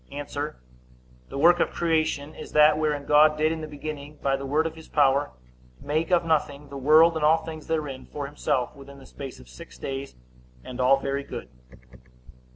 A. The work of creation is that wherein God did in the beginning, by the word of his power, make of nothing the world, and all things therein, for himself, within the space of six days, and all very good.